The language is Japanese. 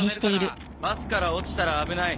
バスから落ちたら危ない。